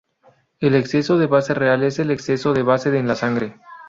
El exceso de base real es el exceso de base en la sangre.